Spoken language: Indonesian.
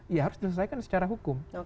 ya harus diselesaikan secara hukum